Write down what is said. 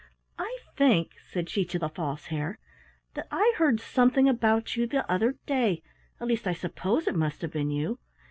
"I think," said she to the False Hare, "that I heard something about you the other day at least I suppose it must have been you.